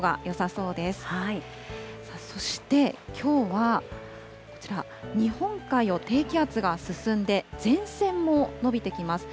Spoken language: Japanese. そしてきょうはこちら、日本海を低気圧が進んで、前線も延びてきます。